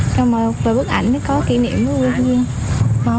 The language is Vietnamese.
chụp một bộ bức ảnh có kỷ niệm của quân viên